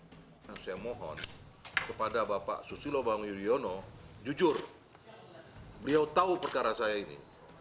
saya mohon kepada bapak susilo bambang yudhoyono jujur beliau tahu perkara saya ini